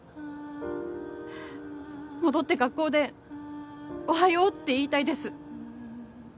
戻って学校で「おはよう」って言いたいです